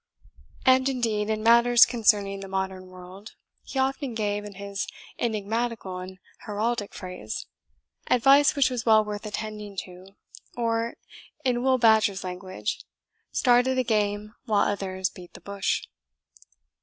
And, indeed, in matters concerning the modern world, he often gave, in his enigmatical and heraldic phrase, advice which was well worth attending to, or, in Will Badger's language, started the game while others beat the bush.